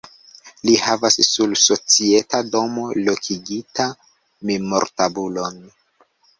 Li havas sur Societa domo lokigita memortabulon.